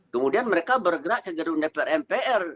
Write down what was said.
kemudian mereka bergerak ke gedung dpr mpr